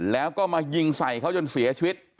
แล้วก็มายิงใส่เขาจนเสียชีวิต